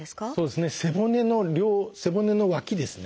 背骨の背骨の脇ですね。